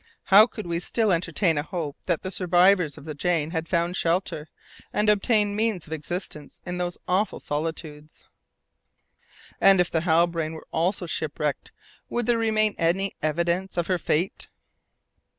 How could we still entertain a hope that the survivors of the Jane had found shelter, and obtained means of existence in those awful solitudes? And if the Halbrane were also shipwrecked, would there remain any evidence of her fate?